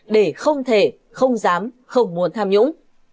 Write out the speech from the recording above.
để không thể không dám không muốn tham nhũng